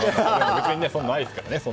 別にそんなのないですからね。